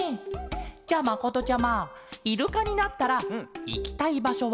じゃまことちゃまイルカになったらいきたいばしょはあるケロ？